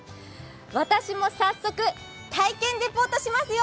私も早速、体験リポートしますよ。